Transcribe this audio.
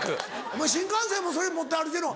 お前新幹線もそれ持って歩いてんの？